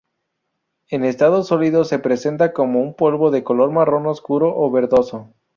En estado sólido se presenta como un polvo de color marrón oscuro o verdoso.